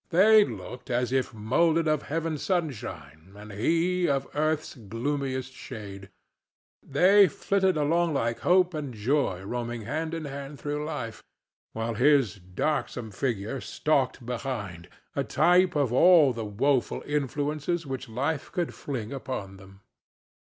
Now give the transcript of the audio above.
They looked as if moulded of heaven's sunshine and he of earth's gloomiest shade; they flitted along like Hope and Joy roaming hand in hand through life, while his darksome figure stalked behind, a type of all the woeful influences which life could fling upon them.